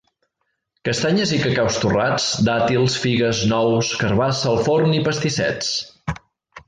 Castanyes i cacaus torrats, dàtils, figues, nous, carabassa al forn i pastissets.